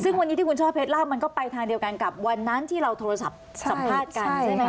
ซึ่งวันนี้ที่คุณช่อเพชรเล่ามันก็ไปทางเดียวกันกับวันนั้นที่เราโทรศัพท์สัมภาษณ์กันใช่ไหมค